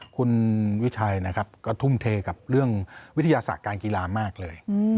คุณวิชัยนะครับก็ทุ่มเทกับเรื่องวิทยาศาสตร์การกีฬามากเลย